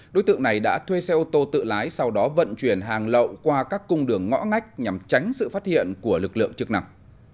đối tượng này đã thuê xe ô tô tự lái sau đó vận chuyển hàng lậu qua các cung đường ngõ ngách nhằm tránh sự phát hiện của lực lượng chức năng